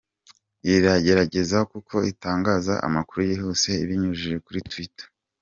rw iragerageza kuko itangaza amakuru yihuse ibinyujije kuri Twitter.